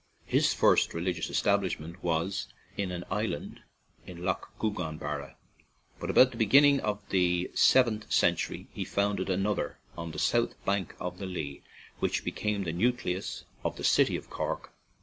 His first religious establishment was in an island in Lough Gouganebarra, but about the beginning of the seventh century he founded another on the south bank of the Lee, which became the nucleus of the city of Cork.